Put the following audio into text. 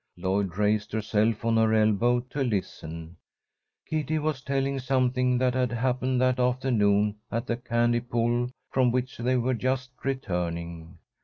Lloyd raised herself on her elbow to listen. Kitty was telling something that had happened that afternoon at the candy pull from which they were just returning.